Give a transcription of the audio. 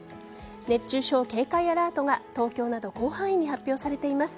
熱中症警戒アラートが東京など広範囲に発表されています。